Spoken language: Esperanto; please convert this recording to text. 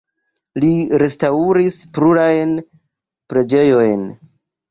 Li restaŭris plurajn preĝejojn.